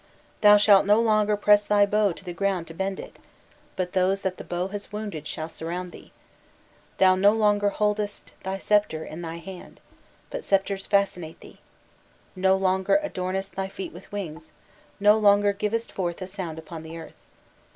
Thou shalt no longer press thy bow to the ground to bend it, but those that the bow has wounded shall surround thee; thou no longer holdest thy sceptre in thy hand, but spectres fascinate thee; thou no longer adornest thy feet with wings, thou no longer givest forth a sound upon the earth.